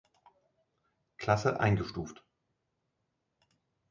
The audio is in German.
Klasse eingestuft.